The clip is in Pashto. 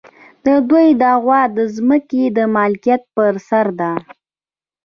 د دوی دعوه د ځمکې د ملکیت پر سر ده.